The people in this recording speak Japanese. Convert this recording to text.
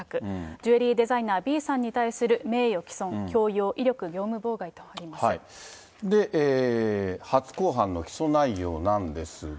ジュエリーデザイナーＢさんに対する名誉毀損、初公判の起訴内容なんですが。